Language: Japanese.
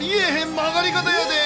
曲がり方やで。